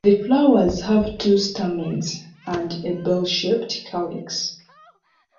The flowers have two stamens and a bell-shaped calyx.